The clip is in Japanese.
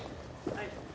はい。